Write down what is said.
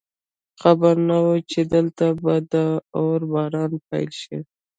خبر نه وو چې دلته به د اور باران پیل شي